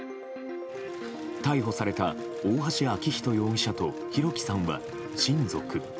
逮捕された大橋昭仁容疑者と弘輝さんは親族。